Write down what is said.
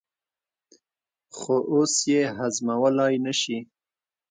خو اوس یې هضمولای نه شي.